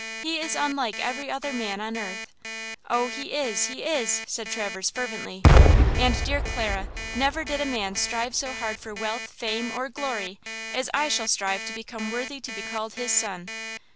He is unlike every other man on earth!" "Oh, he is–he is!" said Traverse, fervently, "and, dear Clara, never did a man strive so hard for wealth, fame, or glory, as I shall strive to become 'worthy to be called his son!'